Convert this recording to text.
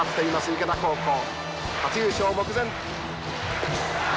池田高校初優勝！